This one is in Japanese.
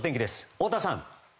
太田さん。